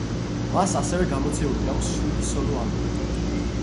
მას ასევე გამოცემული აქვს შვიდი სოლო ალბომი.